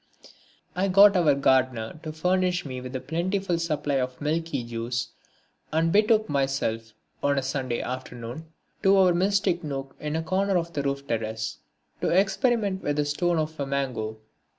I got our gardener to furnish me with a plentiful supply of the milky juice, and betook myself, on a Sunday afternoon, to our mystic nook in a corner of the roof terrace, to experiment with the stone of a mango.